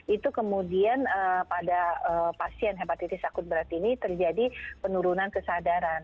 itu kemudian pada pasien hepatitis akut berat ini terjadi penurunan kesadaran